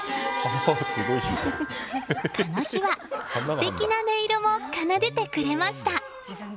この日は素敵な音色も奏でてくれました。